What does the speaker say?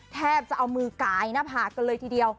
แทบจะเอามือกายหน้าผากกันเลยทีเดียว